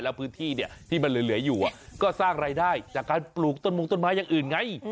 แล้วพื้นที่เนี่ยที่มันเหลืออยู่ก็สร้างรายได้จากการปลูกต้นมงต้นไม้อย่างอื่นไง